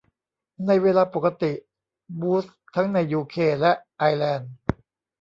ในเวลาปกติ บูตส์ทั้งในยูเคและไอร์แลนด์